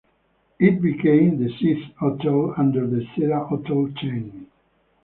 It became the sixth hotel under the Seda hotel chain.